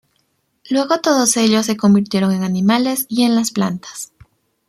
Luego todos ellos se convirtieron en animales y en las plantas.